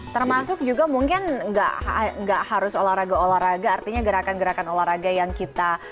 termasuk juga mungkin nggak harus olahraga olahraga artinya gerakan gerakan olahraga yang kita